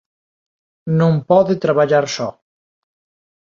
Non pode traballar só.